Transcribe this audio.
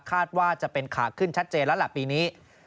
คาดว่าจะเป็นขาขึ้นชัดเจนแล้วล่ะปีนี้